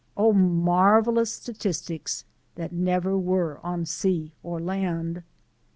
oh, marvellous statistics, that never were on sea or land.